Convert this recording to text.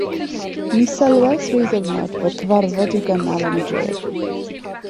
Mi sylwais ryw ddiwrnod fod cyfarfod i'w gynnal yn y dref.